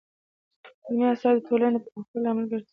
علمي اثار د ټولنې د پرمختګ لامل ګرځي.